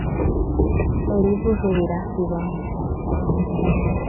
-Ell vos ho dirà si vol…